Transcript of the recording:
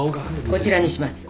こちらにします。